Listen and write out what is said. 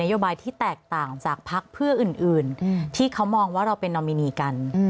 โยบายที่แตกต่างจากพักเพื่ออื่นที่เขามองว่าเราเป็นนอมินีกัน